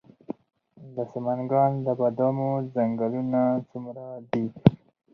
د سمنګان د بادامو ځنګلونه څومره دي؟